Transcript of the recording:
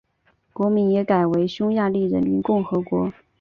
国名也改为匈牙利人民共和国。